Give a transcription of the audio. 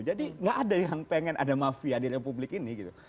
jadi nggak ada yang pengen ada mafiasi di republik ini gitu